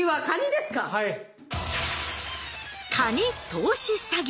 「カニ投資詐欺」。